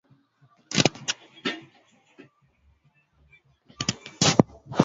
Barabara refu.